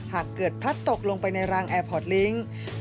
หากเกิดพลัดตกลงไปในรางแอร์พอร์ตลิงค์